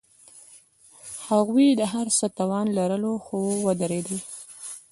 هغوی د هر څه توان لرلو، خو ودریدل.